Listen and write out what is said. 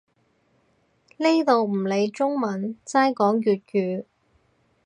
呢度唔理中文，齋講粵語